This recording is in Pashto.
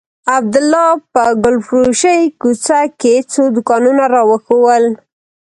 عبدالله په ګلفروشۍ کوڅه کښې څو دوکانونه راوښوول.